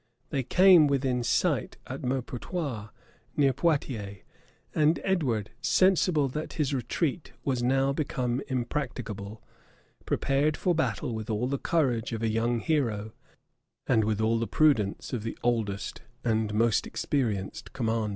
They came within sight at Maupertuis, near Poiotiers; and Edward, sensible that his retreat was now become impracticable, prepared for battle with all the courage of a young hero, and with all the prudence of the oldest and most experienced commander.